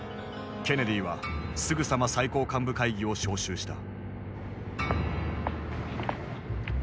ケネディはすぐさま最高幹部会議を招集した。